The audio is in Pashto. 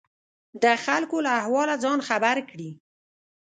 د خلکو له احواله ځان خبر کړي.